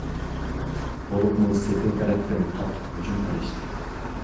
بولۇپمۇ سېپىل تەرەپتىن قاتتىق ھۇجۇم قىلىشتى.